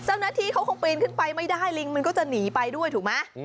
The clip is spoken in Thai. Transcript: เจ้าหน้าที่เขาคงปีนขึ้นไปไม่ได้ลิงมันก็จะหนีไปด้วยถูกไหม